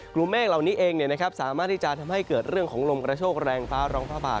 กลุ่มเมฆเหล่านี้เองสามารถที่จะทำให้เกิดเรื่องของลมกระโชคแรงฟ้าร้องพระบาท